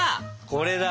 これだ！